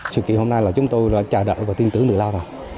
sự kiện hôm nay là chúng tôi đã chào đợi và tin tưởng người lao nào